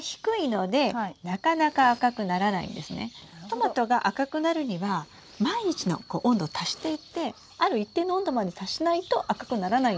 トマトが赤くなるには毎日の温度を足していってある一定の温度まで達しないと赤くならないんですよ。